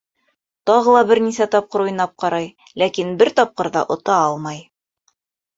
Тағы ла бер нисә тапҡыр уйнап ҡарай, ләкин бер тапҡыр ҙа ота алмай.